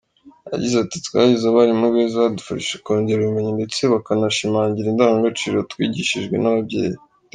Yagize ati: “Twagize abarimu beza badufashije kongera ubumenyi ndetse bakanashimangira indangagaciro twigishijwe n’ababyeyi.